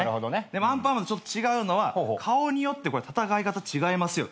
でもアンパンマンと違うのは顔によって戦い方違いますよ。